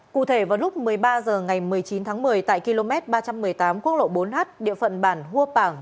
cụ thể vào lúc một mươi ba h ngày một mươi chín tháng một mươi tại km ba trăm một mươi tám quốc lộ bốn h địa phận bản hua bảng